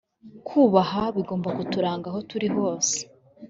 Kubaha bigomba kuturanga aho turi hose